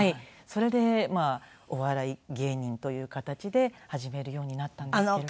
それでお笑い芸人という形で始めるようになったんですけれども。